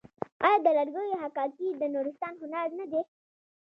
آیا د لرګیو حکاکي د نورستان هنر نه دی؟